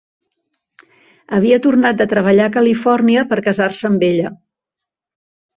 Havia tornat de treballar a Califòrnia per casar-se amb ella.